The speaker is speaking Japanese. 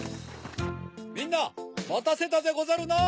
みんなまたせたでござるな！